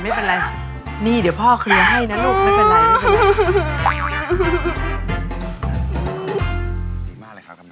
แม่นจ้าตอนนั้นอ่ะพอยก็ยูน้ํ้แต่ว่าต้อมกับไปกัน